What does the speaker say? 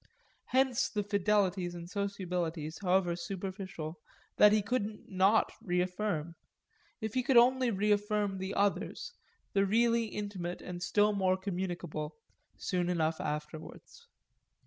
Hence the fidelities and sociabilities, however superficial, that he couldn't not reaffirm if he could only reaffirm the others, the really intimate and still more communicable, soon enough afterwards.